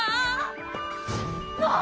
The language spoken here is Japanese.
もう！